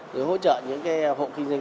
để hỗ trợ những hộ kinh doanh